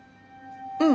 うん。